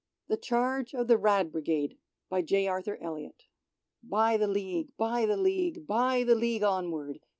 The Charge of the Rad." Brigade. By the League, by the League, by the League onward.